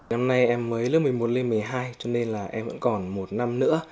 năm nay em mới lớp một mươi một lên một mươi hai cho nên là em vẫn còn một năm nữa